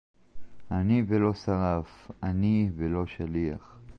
אני ולא שרף, אני ולא שליח